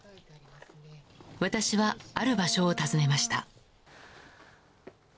私はある場所を訪ねました。